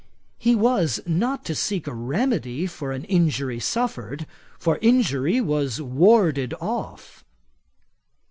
He was not to seek a remedy for an injury suffered; for, injury was warded off.